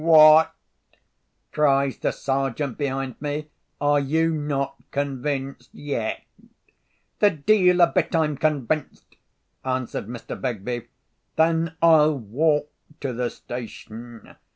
"What!" cries the Sergeant, behind me, "are you not convinced yet?" "The de'il a bit I'm convinced!" answered Mr. Begbie. "Then I'll walk to the station!"